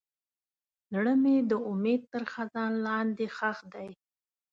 زړه مې د امید تر خزان لاندې ښخ دی.